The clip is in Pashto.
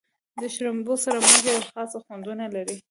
د شړومبو سره مالګه یوه خاصه خوندونه لري.